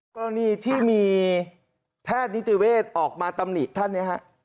กรณีที่มีแพทย์นิติเวศออกมาตำหนิท่านเนี่ยฮะ